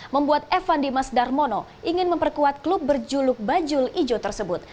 membuat evan dimas darmono ingin memperkuat klub berjuluk bajul ijo tersebut